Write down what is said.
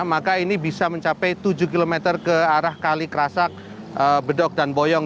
maka ini bisa mencapai tujuh km ke arah kalikrasak bedok dan boyong